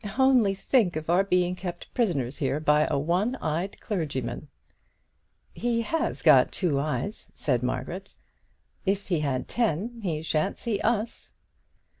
"Only think of our being kept prisoners here by a one eyed clergyman." "He has got two eyes," said Margaret. "If he had ten he shan't see us."